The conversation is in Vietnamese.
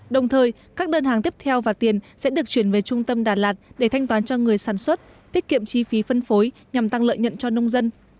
đồng thời các đơn hàng tiếp theo và tiền sẽ được chuyển về trung tâm đà lạt để thanh toán cho người sản xuất tiết kiệm chi phí phân phối nhằm tăng lợi nhận cho nông dân